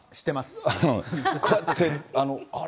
こうやって、あれ？